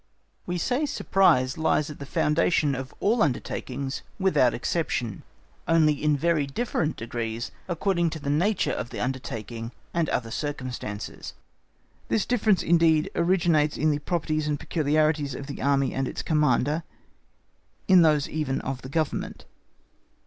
We say, surprise lies at the foundation of all undertakings without exception, only in very different degrees according to the nature of the undertaking and other circumstances. This difference, indeed, originates in the properties or peculiarities of the Army and its Commander, in those even of the Government.